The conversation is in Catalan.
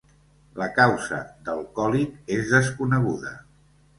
La causa del còlic és desconeguda.